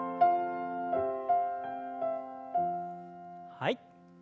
はい。